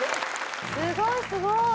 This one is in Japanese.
すごいすごい。